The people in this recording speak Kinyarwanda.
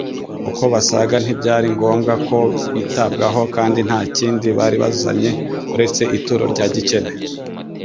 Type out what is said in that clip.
Uko basaga ntibyari ngombwa ko bitabwaho, kandi nta kindi bari bazanye uretse ituro rya gikene.